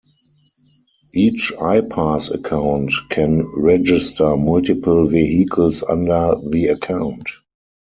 Each I-Pass account can register multiple vehicles under the account.